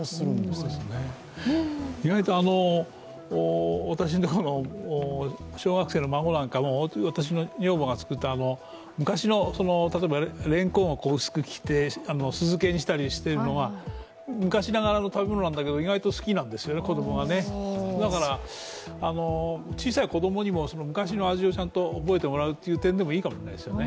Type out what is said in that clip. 意外と私のところの小学生の孫なんかも、私の女房が作った、昔のれんこんを薄くして酢漬けにしたりしているのが昔ながらの食べ物なんだけど意外と好きなんですよね、子供はねだから小さい子供にも昔の味をちゃんと覚えてもらうという点でもいいかもしれませんね。